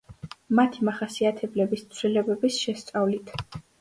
მათი მახასიათებლების ცვლილებების შესწავლით.